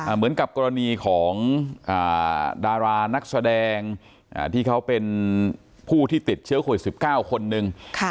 เหมือนกับกรณีของดารานักแสดงที่เขาเป็นผู้ที่ติดเชื้อโควิด๑๙คนหนึ่ง